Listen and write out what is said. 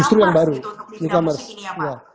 justru yang baru e commerce